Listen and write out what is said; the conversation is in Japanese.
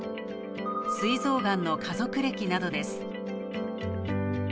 すい臓がんの家族歴などです。